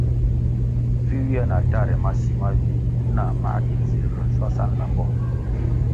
Vi ywia na tahre ma si ma vih nah mā dig zirʼga shwasa nlambo.